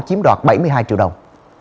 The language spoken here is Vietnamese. chiếm đoạt bảy mươi hai triệu đồng